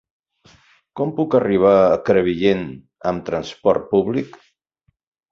Com puc arribar a Crevillent amb transport públic?